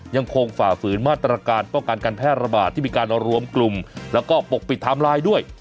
ฝ่าฝืนมาตรการป้องกันการแพร่ระบาดที่มีการรวมกลุ่มแล้วก็ปกปิดไทม์ไลน์ด้วย